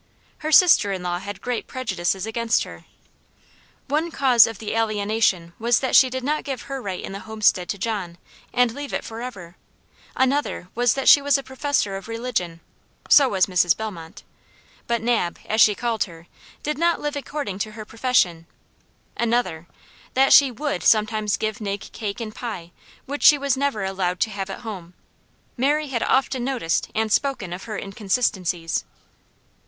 Her sister inlaw had great prejudices against her. One cause of the alienation was that she did not give her right in the homestead to John, and leave it forever; another was that she was a professor of religion, (so was Mrs. Bellmont;) but Nab, as she called her, did not live according to her profession; another, that she WOULD sometimes give Nig cake and pie, which she was never allowed to have at home. Mary had often noticed and spoken of her inconsistencies.